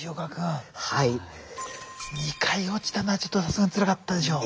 ２回落ちたのはちょっとさすがにつらかったでしょう。